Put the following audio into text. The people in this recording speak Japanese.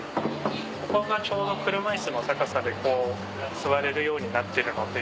ここがちょうど車いすの高さで座れるようになってるので。